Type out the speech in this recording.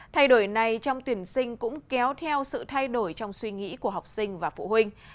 thay đổi này trong tuyển sinh cũng kéo theo sự thay đổi trong suy nghĩ của học sinh và phụ huynh